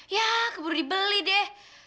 ya keburu dibeli deh